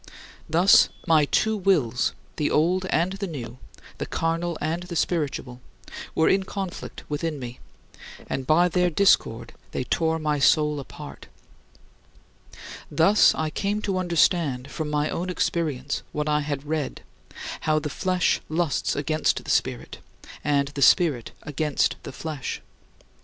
Thus my two wills the old and the new, the carnal and the spiritual were in conflict within me; and by their discord they tore my soul apart. 11. Thus I came to understand from my own experience what I had read, how "the flesh lusts against the Spirit, and the Spirit against the flesh."